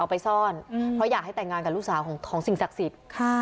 เอาไปซ่อนเพราะอยากให้แต่งงานกับลูกสาวของทิศศักสิต